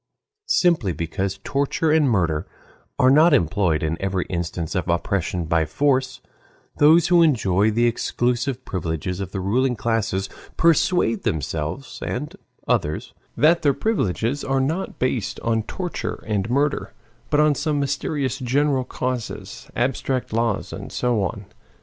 Simply because torture and murder are not employed in every instance of oppression by force, those who enjoy the exclusive privileges of the ruling classes persuade themselves and others that their privileges are not based on torture and murder, but on some mysterious general causes, abstract laws, and so on.